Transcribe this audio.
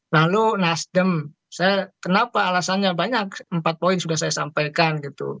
lalu nasdem saya kenapa alasannya banyak empat poin sudah saya sampaikan gitu